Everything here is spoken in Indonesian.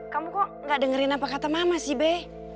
kamu kok gak dengerin apa kata mama sih be